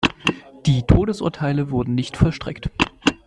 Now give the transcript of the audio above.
Die Todesurteile wurden nicht vollstreckt.